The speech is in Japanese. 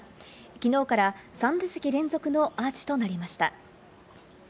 きのうから３打席連続のアーチとなりました。